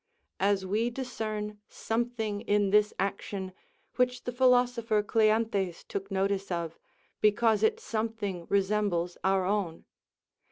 As we discern something in this action which the philosopher Cleanthes took notice of, because it something resembles our own.